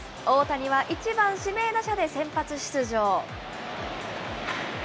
大谷は１番指名打者で先発出場。